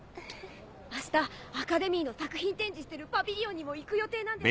明日アカデミーの作品展示してるパビリオンにも行く予定なんです。